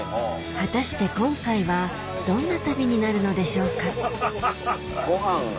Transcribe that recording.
果たして今回はどんな旅になるのでしょうかご飯が。